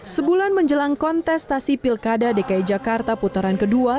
sebulan menjelang kontestasi pilkada dki jakarta putaran kedua